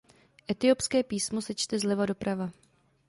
Etiopské písmo se čte zleva doprava.